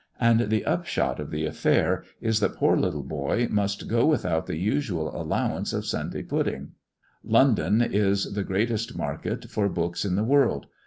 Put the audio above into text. And the upshot of the affair is that the poor little boy must go without the usual allowance of Sunday pudding. London is the greatest market for books in the world.